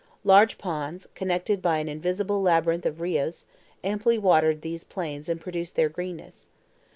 Large ponds, connected by an inextricable labyrinth of RIOS, amply watered these plains and produced their greenness.